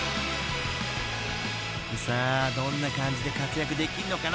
［さあどんな感じで活躍できんのかな？］